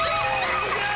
すげえ！